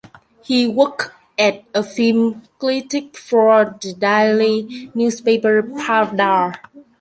He worked as a film critic for the daily newspaper "Pravda".